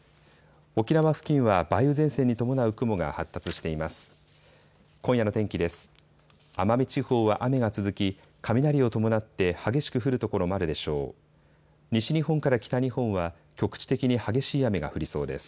沖縄付近は梅雨前線に伴う雲が発達しています。